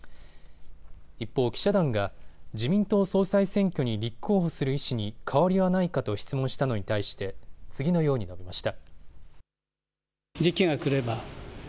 一方、記者団が自民党総裁選挙に立候補する意思に変わりはないかと質問したのに対して次のように述べました。